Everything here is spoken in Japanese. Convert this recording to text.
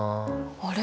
あれ？